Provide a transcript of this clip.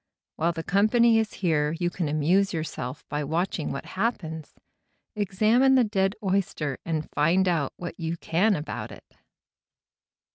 While the company is here you can amuse yourself by watching what happens. Examine the dead oyster and find out what you can about it."